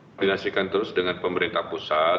koordinasi kami koordinasi terus dengan pemerintah pusat